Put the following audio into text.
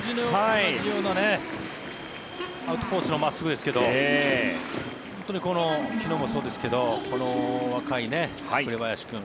同じようなアウトコースの真っすぐですけど本当にこの昨日もそうですけどこの若い紅林君。